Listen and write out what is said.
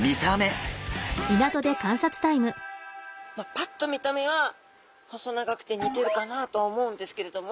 ぱっと見た目は細長くて似てるかなとは思うんですけれども。